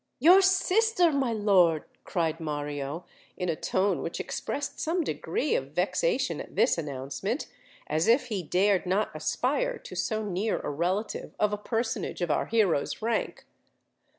"Your sister, my lord!" cried Mario, in a tone which expressed some degree of vexation at this announcement—as if he dared not aspire to so near a relative of a personage of our hero's rank.